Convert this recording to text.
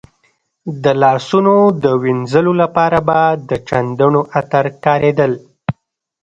د لاسونو د وینځلو لپاره به د چندڼو عطر کارېدل.